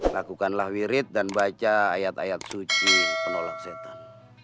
lakukanlah wirid dan baca ayat ayat suci penolak setan